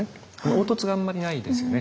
凹凸があんまりないですよね。